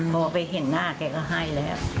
พอไปเห็นหน้าแกก็ให้แล้ว